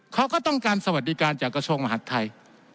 เขาก็ต้องการสวัสดิการจากกระทรวงมหาดไทย